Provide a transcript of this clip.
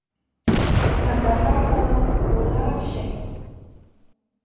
کندهار ته ولاړ شي.